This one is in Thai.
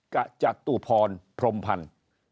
กับจตุพรพรมพันธ์